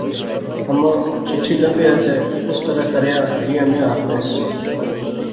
اماں چٹھی لبیا تے اس طرح کریا جیاں میں آخنیس